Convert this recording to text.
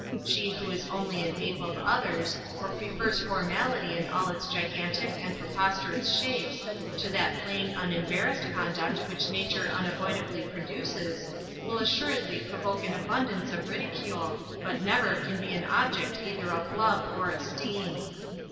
She who is only an ape of others, or prefers formality in all its gigantic and preposterous shapes, to that plain, unembarassed conduct which nature unavoidably produces, will assuredly provoke an abundance of ridicule, but never can be an object either of love or esteem.